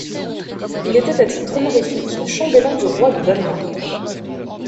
Il était à titre honorifique chambellan du roi de Danemark.